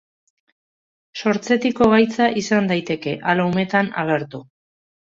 Sortzetiko gaitza izan daiteke ala umetan agertu.